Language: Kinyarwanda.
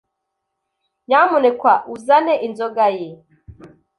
Nyamuneka uzane inzoga ye.